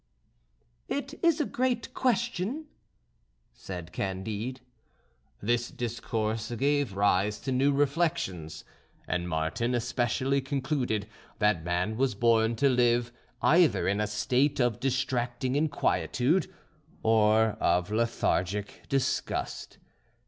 "It is a great question," said Candide. This discourse gave rise to new reflections, and Martin especially concluded that man was born to live either in a state of distracting inquietude or of lethargic disgust.